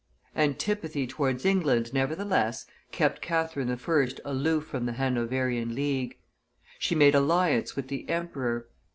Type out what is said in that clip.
Antipathy towards England, nevertheless, kept Catherine I. aloof from the Hanoverian league; she made alliance with the emperor.